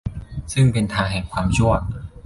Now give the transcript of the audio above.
ซึ่งเป็นทางแห่งความชั่ว